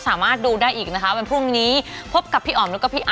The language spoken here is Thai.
สามารถดูได้อีกนะคะวันพรุ่งนี้